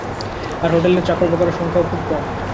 আর হোটেলের চাকরবাকরের সংখ্যাও খুব কম।